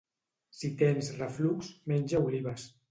Si tens reflux, menja olives.